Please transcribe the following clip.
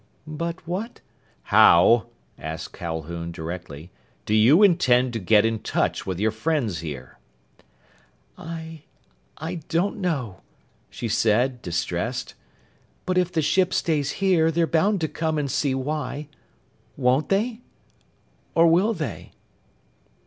"But what " "How," asked Calhoun directly, "do you intend to get in touch with your friends here?" "I I don't know," she said, distressed. "But if the ship stays here, they're bound to come and see why. Won't they? Or will they?"